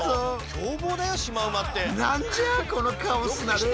凶暴だよシマウマって。